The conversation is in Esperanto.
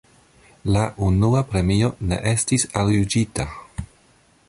La unua premio ne estis aljuĝita.